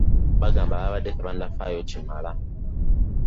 Bagamba babadde tebannafaayo kimala.